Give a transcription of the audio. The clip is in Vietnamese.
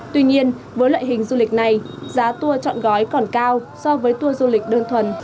tuy nhiên với loại hình du lịch này giá tour chọn gói còn cao so với tour du lịch đơn thuần